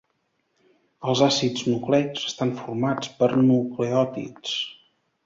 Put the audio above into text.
Els àcids nucleics estan formats per nucleòtids.